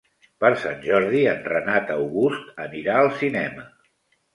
Per Sant Jordi en Renat August anirà al cinema.